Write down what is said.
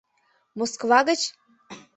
— Москва гыч?!